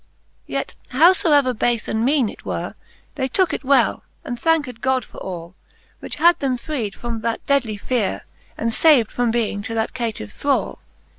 Yet howfever bafe and meane it were, They tooke it well, and thanked God for all, Which had them freed from that deadly feare, And fav'd from being to that caytive thrall.